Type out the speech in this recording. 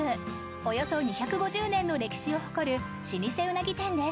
およそ２５０年の歴史を誇る老舗うなぎ店です